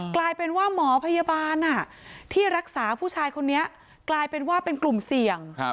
กลายเป็นว่าหมอพยาบาลที่รักษาผู้ชายคนนี้กลายเป็นว่าเป็นกลุ่มเสี่ยง